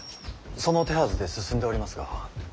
その手はずで進んでおりますが。